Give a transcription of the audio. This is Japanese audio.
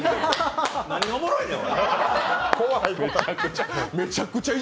何がおもろいねん。